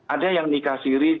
ada yang nikah siri